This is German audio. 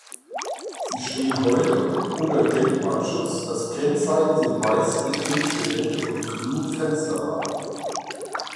Sie stehen heute unter Denkmalschutz, das Kennzeichen sind weiß getünchte Wände und grüne Fensterrahmen.